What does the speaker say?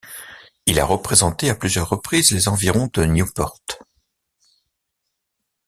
Il a représenté à plusieurs reprises les environs de Nieuport.